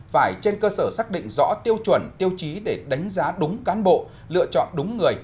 phải trên cơ sở xác định rõ tiêu chuẩn tiêu chí để đánh giá đúng cán bộ lựa chọn đúng người